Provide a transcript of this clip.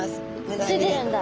ついてるんだ。